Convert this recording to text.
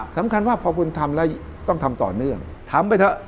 สำคัญว่าพอคุณทำแล้วต้องทำต่อเนื่องทำไปเถอะ